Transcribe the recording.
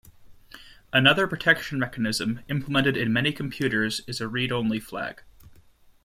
Another protection mechanism implemented in many computers is a read-only flag.